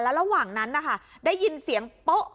แล้วระหว่างนั้นนะคะได้ยินเสียงป๊อก